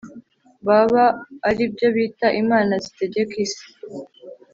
baba ari byo bita imana zitegeka isi